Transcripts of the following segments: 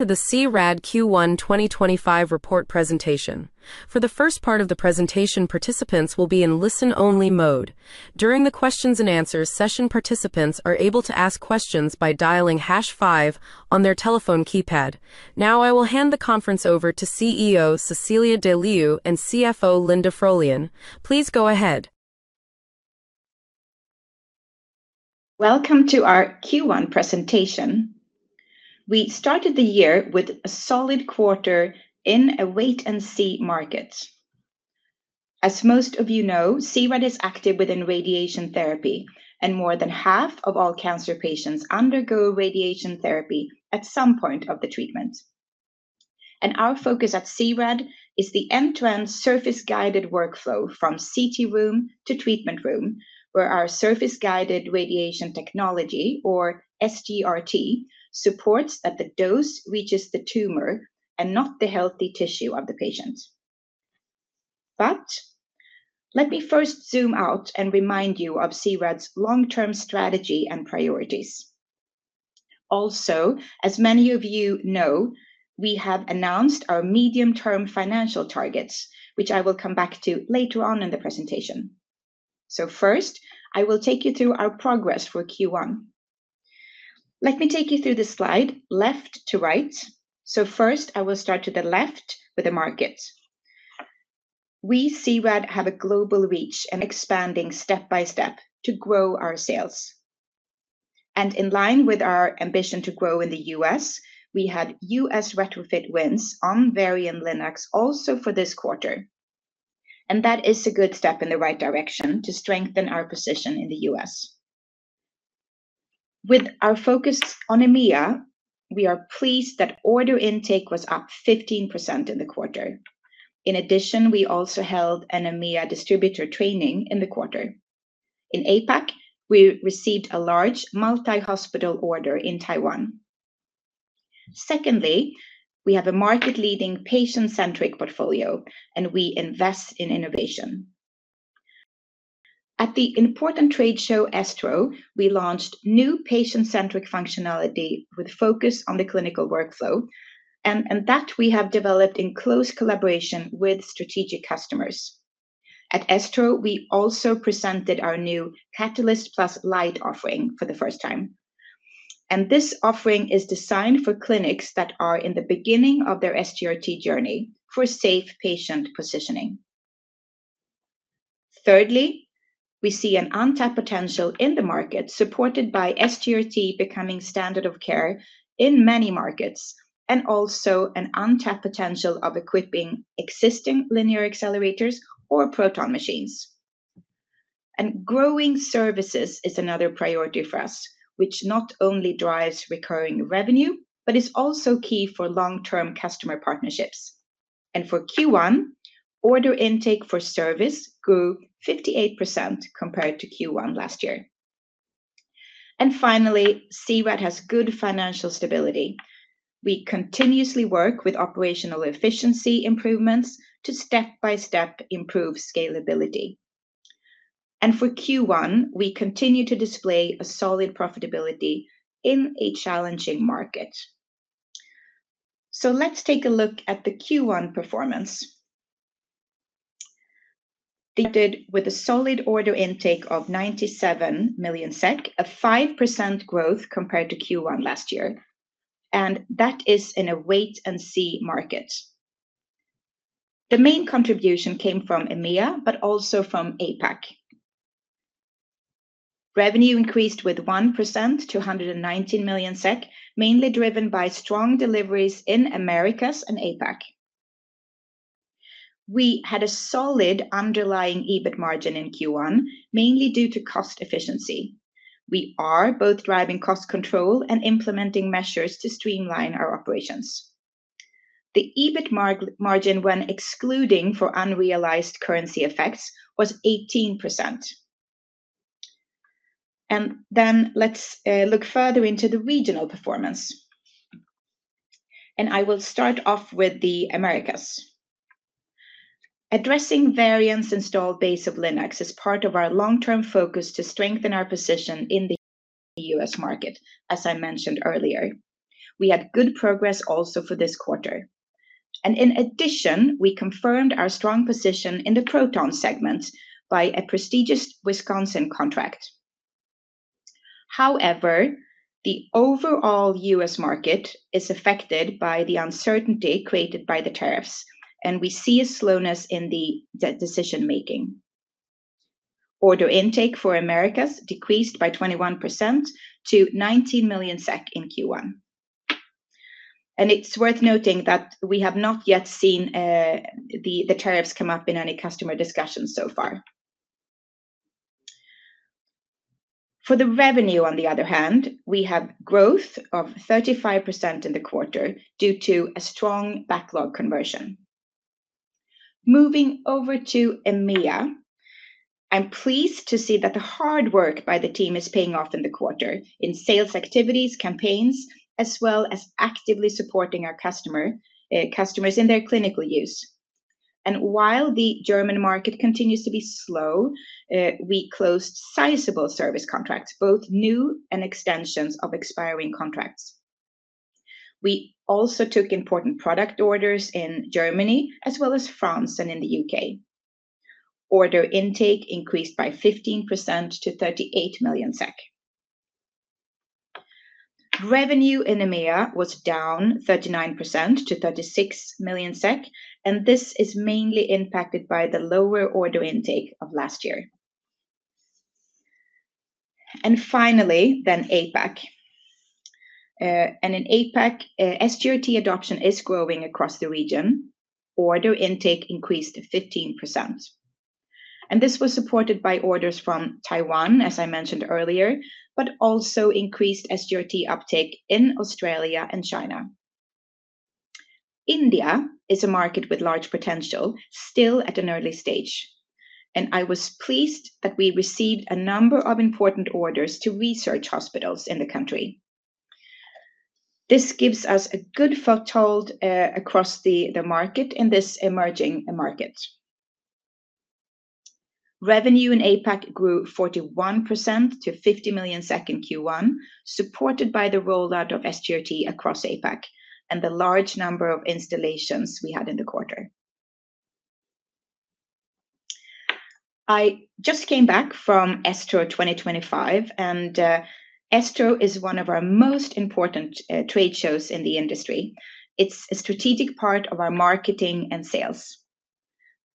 To the C-RAD Q1 2025 report presentation. For the first part of the presentation, participants will be in listen-only mode. During the Q&A session, participants are able to ask questions by dialing #5 on their telephone keypad. Now, I will hand the conference over to CEO, Cecilia De Leeuw and CFO Linda Frölén. Please go ahead. Welcome to our Q1 presentation. We started the year with a solid quarter in a wait-and-see market. As most of you know, C-RAD is active within radiation therapy, and more than half of all cancer patients undergo radiation therapy at some point of the treatment. Our focus at C-RAD is the end-to-end surface-guided workflow from CT room to treatment room, where our surface-guided radiation technology, or SGRT, supports that the dose reaches the tumor and not the healthy tissue of the patient. Let me first zoom out and remind you of C-RAD's long-term strategy and priorities. Also, as many of you know, we have announced our medium-term financial targets, which I will come back to later on in the presentation. First, I will take you through our progress for Q1. Let me take you through the slide left to right. First, I will start to the left with the market. We C-RAD have a global reach and are expanding step-by-step to grow our sales. In line with our ambition to grow in the U.S., we had U.S. retrofit wins on Varian linacs also for this quarter. That is a good step in the right direction to strengthen our position in the U.S. With our focus on EMEA, we are pleased that order intake was up 15% in the quarter. In addition, we also held an EMEA distributor training in the quarter. In APAC, we received a large multi-hospital order in Taiwan. Secondly, we have a market-leading patient-centric portfolio, and we invest in innovation. At the important trade show ASTRO, we launched new patient-centric functionality with a focus on the clinical workflow, and that we have developed in close collaboration with strategic customers. At ASTRO, we also presented our new Catalyst Plus Lite offering for the first time. This offering is designed for clinics that are in the beginning of their SGRT journey for safe patient positioning. Thirdly, we see an untapped potential in the market, supported by SGRT becoming standard of care in many markets, and also an untapped potential of equipping existing linear accelerators or proton machines. Growing services is another priority for us, which not only drives recurring revenue, but is also key for long-term customer partnerships. For Q1, order intake for service grew 58% compared to Q1 last year. Finally, C-RAD has good financial stability. We continuously work with operational efficiency improvements to step-by-step improve scalability. For Q1, we continue to display a solid profitability in a challenging market. Let's take a look at the Q1 performance. The. Started with a solid order intake of 97 million SEK, a 5% growth compared to Q1 last year. That is in a wait-and-see market. The main contribution came from EMEA, but also from APAC. Revenue increased with 1% to 119 million SEK, mainly driven by strong deliveries in the Americas and APAC. We had a solid underlying EBIT margin in Q1, mainly due to cost efficiency. We are both driving cost control and implementing measures to streamline our operations. The EBIT margin, when excluding for unrealized currency effects, was 18%. Let's look further into the regional performance. I will start off with the Americas. Addressing Varian's installed base of linacs is part of our long-term focus to strengthen our position in the U.S. market, as I mentioned earlier. We had good progress also for this quarter. In addition, we confirmed our strong position in the proton segment by a prestigious Wisconsin contract. However, the overall U.S. market is affected by the uncertainty created by the tariffs, and we see a slowness in the decision-making. Order intake for Americas decreased by 21% to 19 million SEK in Q1. It is worth noting that we have not yet seen the tariffs come up in any customer discussions so far. For the revenue, on the other hand, we have growth of 35% in the quarter due to a strong backlog conversion. Moving over to EMEA, I am pleased to see that the hard work by the team is paying off in the quarter in sales activities, campaigns, as well as actively supporting our customers in their clinical use. While the German market continues to be slow, we closed sizable service contracts, both new and extensions of expiring contracts. We also took important product orders in Germany, as well as France and in the U.K. Order intake increased by 15% to 38 million SEK. Revenue in EMEA was down 39% to 36 million SEK, and this is mainly impacted by the lower order intake of last year. Finally, APAC. In APAC, SGRT adoption is growing across the region. Order intake increased by 15%. This was supported by orders from Taiwan, as I mentioned earlier, but also increased SGRT uptake in Australia and China. India is a market with large potential, still at an early stage. I was pleased that we received a number of important orders to research hospitals in the country. This gives us a good foothold across the market in this emerging market. Revenue in APAC grew 41% to 50 million in Q1, supported by the rollout of SGRT across APAC and the large number of installations we had in the quarter. I just came back from ASTRO 2025, and ASTRO is one of our most important trade shows in the industry. It's a strategic part of our marketing and sales.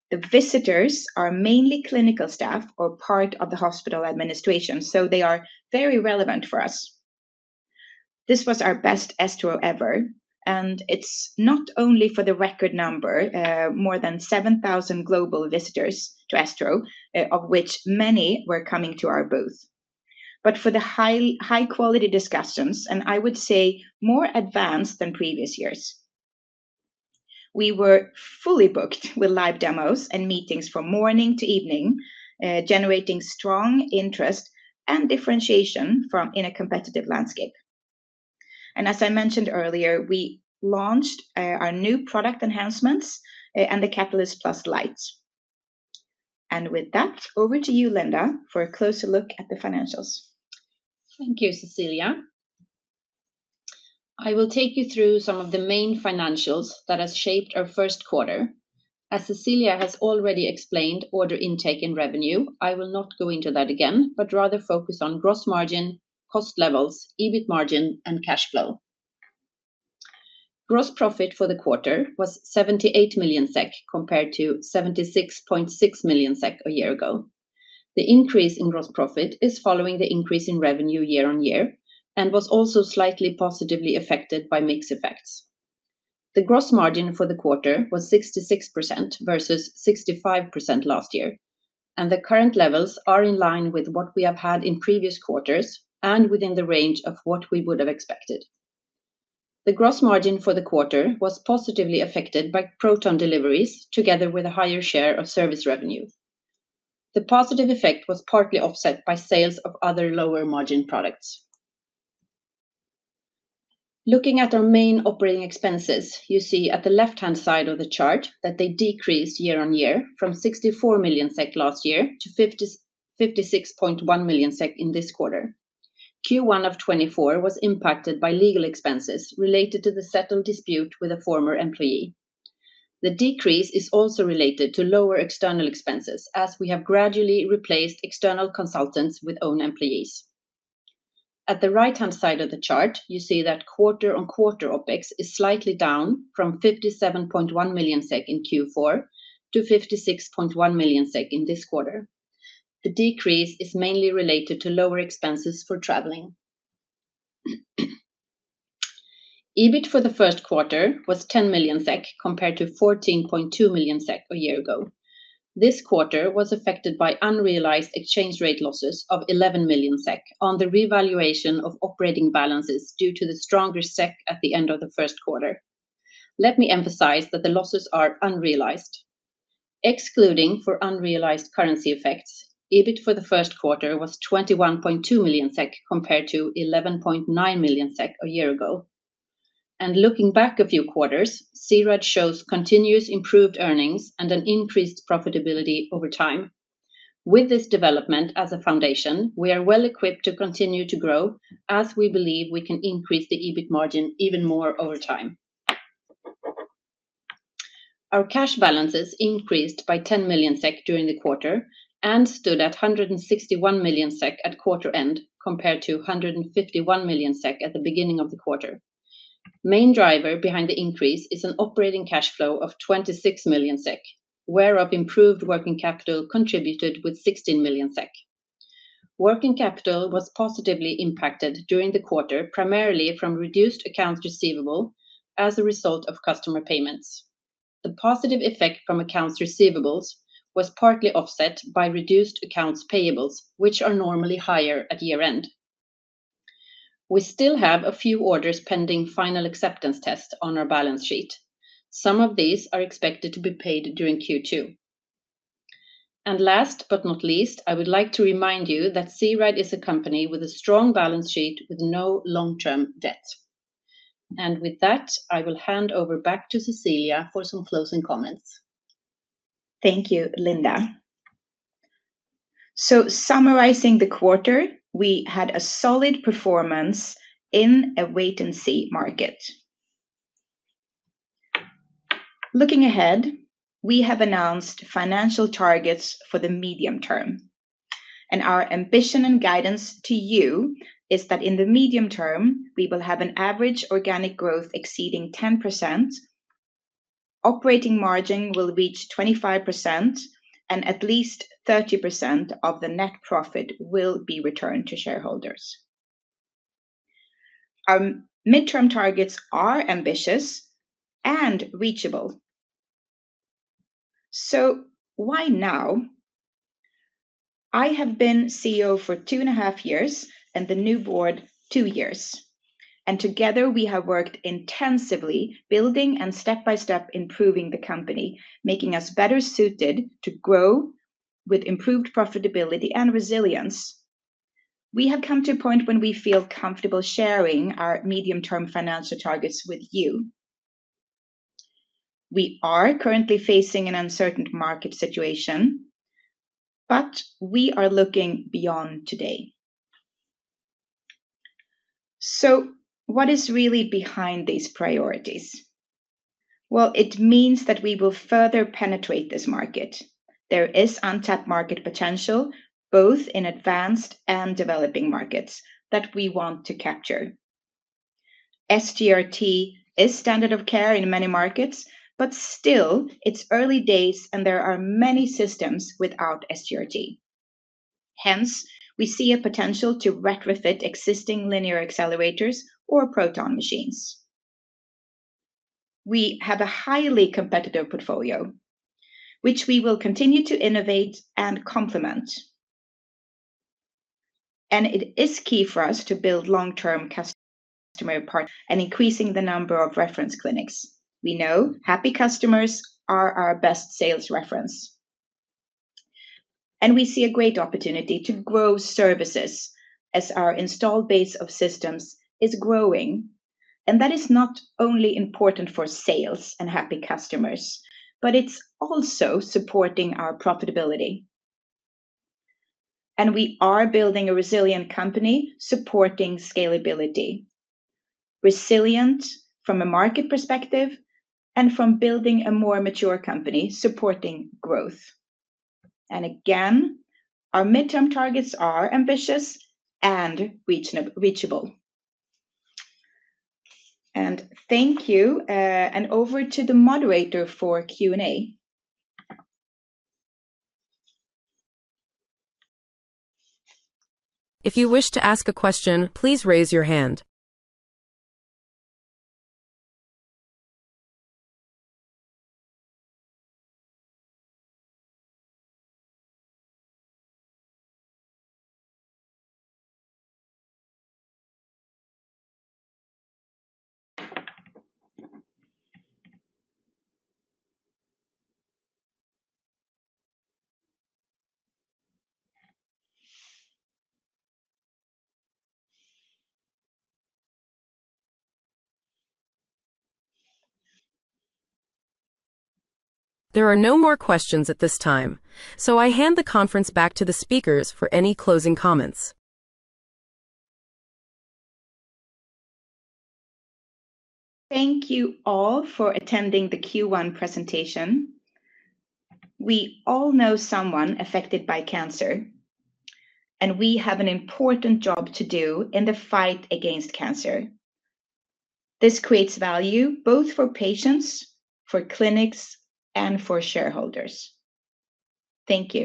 The visitors are mainly clinical staff or part of the hospital administration, so they are very relevant for us. This was our best ASTRO ever, and it's not only for the record number, more than 7,000 global visitors to ASTRO, of which many were coming to our booth, but for the high-quality discussions, and I would say more advanced than previous years. We were fully booked with live demos and meetings from morning to evening, generating strong interest and differentiation from in a competitive landscape. As I mentioned earlier, we launched our new product enhancements and the Catalyst+ LITE. With that, over to you, Linda, for a closer look at the financials. Thank you, Cecilia. I will take you through some of the main financials that have shaped our first quarter. As Cecilia has already explained, order intake and revenue, I will not go into that again, but rather focus on gross margin, cost levels, EBIT margin, and cash flow. Gross profit for the quarter was 78 million SEK compared to 76.6 million SEK a year ago. The increase in gross profit is following the increase in revenue year on year and was also slightly positively affected by mixed effects. The gross margin for the quarter was 66% versus 65% last year, and the current levels are in line with what we have had in previous quarters and within the range of what we would have expected. The gross margin for the quarter was positively affected by proton deliveries, together with a higher share of service revenue. The positive effect was partly offset by sales of other lower margin products. Looking at our main operating expenses, you see at the left-hand side of the chart that they decreased year on year from 64 million SEK last year to 56.1 million SEK in this quarter. Q1 of 2024 was impacted by legal expenses related to the settled dispute with a former employee. The decrease is also related to lower external expenses, as we have gradually replaced external consultants with own employees. At the right-hand side of the chart, you see that quarter-on-quarter OpEx is slightly down from 57.1 million SEK in Q4 to 56.1 million SEK in this quarter. The decrease is mainly related to lower expenses for traveling. EBIT for the first quarter was 10 million SEK compared to 14.2 million SEK a year ago. This quarter was affected by unrealized exchange rate losses of 11 million SEK on the revaluation of operating balances due to the stronger SEK at the end of the first quarter. Let me emphasize that the losses are unrealized. Excluding for unrealized currency effects, EBIT for the first quarter was 21.2 million SEK compared to 11.9 million SEK a year ago. Looking back a few quarters, C-RAD shows continuous improved earnings and an increased profitability over time. With this development as a foundation, we are well equipped to continue to grow, as we believe we can increase the EBIT margin even more over time. Our cash balances increased by 10 million SEK during the quarter and stood at 161 million SEK at quarter end compared to 151 million SEK at the beginning of the quarter. Main driver behind the increase is an operating cash flow of 26 million SEK, where improved working capital contributed with 16 million SEK. Working capital was positively impacted during the quarter, primarily from reduced accounts receivable as a result of customer payments. The positive effect from accounts receivables was partly offset by reduced accounts payables, which are normally higher at year-end. We still have a few orders pending final acceptance test on our balance sheet. Some of these are expected to be paid during Q2. Last but not least, I would like to remind you that C-RAD is a company with a strong balance sheet with no long-term debt. With that, I will hand over back to Cecilia for some closing comments. Thank you, Linda. Summarizing the quarter, we had a solid performance in a wait-and-see market. Looking ahead, we have announced financial targets for the medium term. Our ambition and guidance to you is that in the medium term, we will have an average organic growth exceeding 10%, operating margin will reach 25%, and at least 30% of the net profit will be returned to shareholders. Our midterm targets are ambitious and reachable. Why now? I have been CEO for two and a half years and the new board two years. Together, we have worked intensively building and step-by-step improving the company, making us better suited to grow with improved profitability and resilience. We have come to a point when we feel comfortable sharing our medium-term financial targets with you. We are currently facing an uncertain market situation, but we are looking beyond today. What is really behind these priorities? It means that we will further penetrate this market. There is untapped market potential, both in advanced and developing markets, that we want to capture. SGRT is standard of care in many markets, but still, it's early days, and there are many systems without SGRT. Hence, we see a potential to retrofit existing linear accelerators or proton machines. We have a highly competitive portfolio, which we will continue to innovate and complement. It is key for us to build long-term customer partnerships and increase the number of reference clinics. We know happy customers are our best sales reference. We see a great opportunity to grow services as our installed base of systems is growing. That is not only important for sales and happy customers, but it's also supporting our profitability. We are building a resilient company supporting scalability, resilient from a market perspective and from building a more mature company supporting growth. Again, our midterm targets are ambitious and reachable. Thank you, and over to the moderator for Q&A. If you wish to ask a question, please raise your hand. There are no more questions at this time, so I hand the conference back to the speakers for any closing comments. Thank you all for attending the Q1 presentation. We all know someone affected by cancer, and we have an important job to do in the fight against cancer. This creates value both for patients, for clinics, and for shareholders. Thank you.